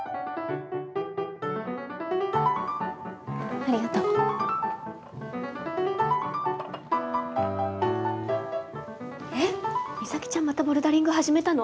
ありがとうえっ実咲ちゃんまたボルダリング始めたの？